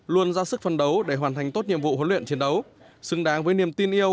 luôn ra sức phân đấu để hoàn thành tốt nhiệm vụ huấn luyện chiến đấu xứng đáng với niềm tin yêu